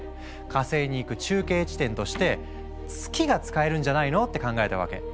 火星に行く中継地点として月が使えるんじゃないの？って考えたわけ。